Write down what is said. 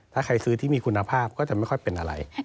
ถ้าใครซื้อที่มีคุณภาพก็จะไม่ค่อยเป็นอะไร